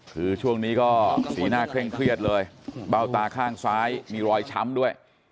คือช่วงนี้ก็สีหน้าเคร่งเครียดเลยเบ้าตาข้างซ้ายมีรอยช้ำด้วย